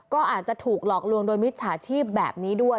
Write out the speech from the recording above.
ก็อาจจะถูกหลอกลวงโดยมิจฉาชีพแบบนี้ด้วย